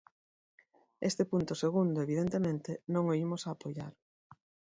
Este punto segundo, evidentemente, non o imos apoiar.